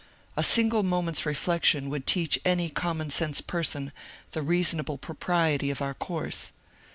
A single moment's reflection would teach any common sense person the reasonable propriety of our course.